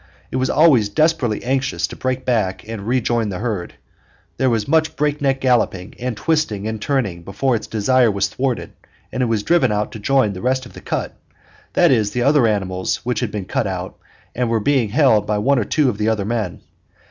It was always desperately anxious to break back and rejoin the herd. There was much breakneck galloping and twisting and turning before its desire was thwarted and it was driven to join the rest of the cut that is, the other animals which had been cut out, and which were being held by one or two other men.